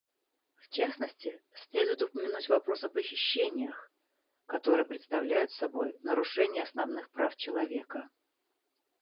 В частности, следует упомянуть вопрос о похищениях, которые представляют собой нарушения основных прав человека.